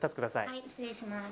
はい失礼します